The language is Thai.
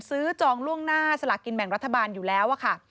ซื้อจองล่วงหน้าสลัดกินแบ่งรัฐบาลอยู่แล้ว